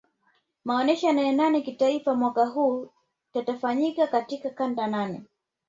Maonyesho ya nane nane kitaifa mwaka huu tatafanyika katika kanda nane